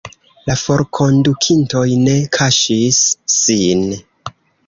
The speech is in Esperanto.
La forkondukintoj ne kaŝis sin.